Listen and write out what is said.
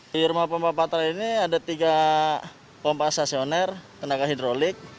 di rumah pompa patra ini ada tiga pompa sesioner tenaga hidrolik